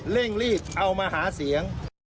เร่งรีบเอามาหาเสียง